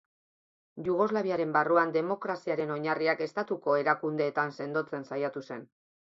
Jugoslaviaren barruan, demokraziaren oinarriak estatuko erakundeetan sendotzen saiatu zen.